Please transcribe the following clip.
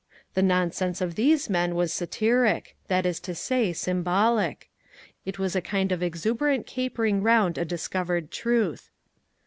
The nonsense of these men was satiric — that is to say, symbolic ; it was a kind of exuberant capering round a discovered truth.